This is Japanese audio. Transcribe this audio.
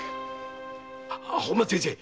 本間先生